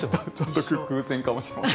偶然かもしれません。